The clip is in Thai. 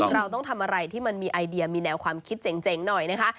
เราต้องทำอะไรที่มันมีไอเดียมีแนวความคิดเจ๋งหน่อยนะคะ